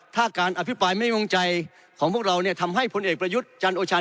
ถ้าการอภิปรายไม่วงใจของพวกเราเนี่ยทำให้พลเอกประยุทธ์จันโอชาญ